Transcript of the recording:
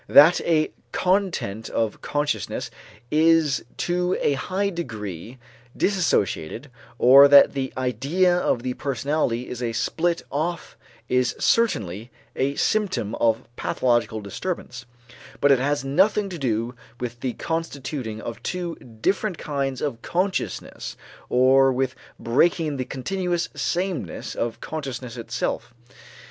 That a content of consciousness is to a high degree dissociated or that the idea of the personality is split off is certainly a symptom of pathological disturbance, but it has nothing to do with the constituting of two different kinds of consciousness or with breaking the continuous sameness of consciousness itself.